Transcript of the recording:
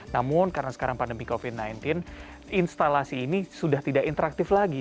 namun karena sekarang pandemi covid sembilan belas instalasi ini sudah tidak interaktif lagi